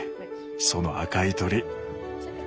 その赤い鳥。